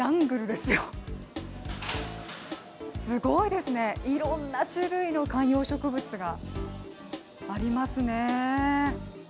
すごいですね、いろんな種類の観葉植物がありますね。